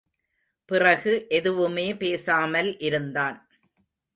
பிறகு எதுவுமே பேசாமல் இருந்தான்.